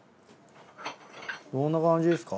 どんな感じですか？